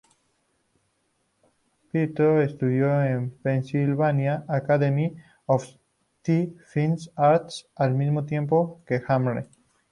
Peto estudió en Pennsylvania Academy of the Fine Arts al mismo tiempo que Harnett.